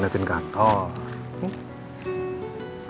kamu kenapa biasa lo sampai naik